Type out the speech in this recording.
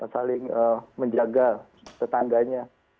saling menjaga tetangganya